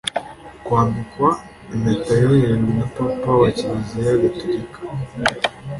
ukwambikwa impeta yoherejwe na Papa wa kiliziya gatolika